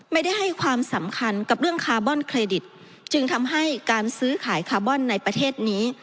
ไม่ได้ให้ความสำคัญกับเรื่องคาร์บอนเครดิตจึงทำให้การซื้อขายคาร์บอนในประเทศนี้